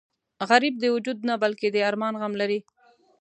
غریب د وجود نه بلکې د ارمان غم لري